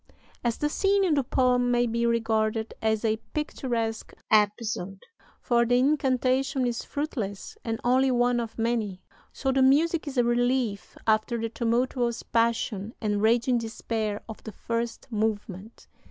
"As the scene in the poem may be regarded as a picturesque episode for the incantation is fruitless and only one of many so the music is a relief after the tumultuous passion and raging despair of the first movement.